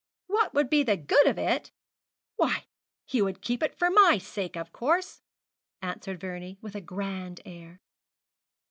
'What would be the good of it! Why, he would keep it for my sake, of course!' answered Vernie, with a grand air.